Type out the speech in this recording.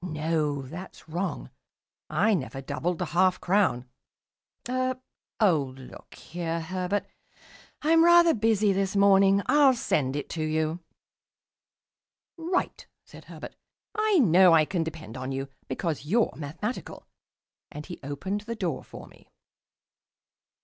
No, that's wrong I never doubled the half crown. Er oh, look here, Herbert, I'm rather busy this morning. I'll send it to you." "Right," said Herbert. "I know I can depend on you, because you're mathematical." And he opened the door for me.